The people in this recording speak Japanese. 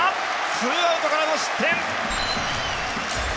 ツーアウトからの失点！